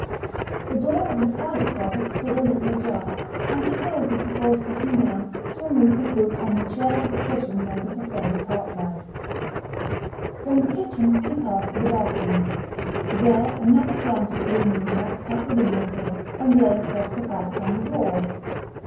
The door of the powder closet stood a little ajar, and he closed it before sitting down to remove his boots on the chair with the cushion made of the folded harp bag. From the kitchen he passed to the bathroom. There, another slant of blue moonlight cut the windowsill and lay across the pipes on the wall.